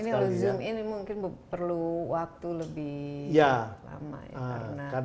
ini harus zoom in mungkin perlu waktu lebih lama ya karena